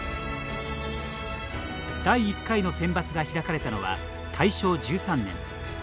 第１回のセンバツが開かれたのは大正１３年。